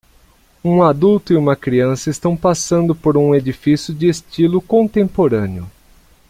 Um adulto e uma criança estão passando por um edifício de estilo contemporâneo.